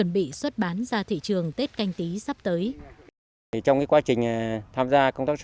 bị xuất bán ra thị trường tết canh tí sắp tới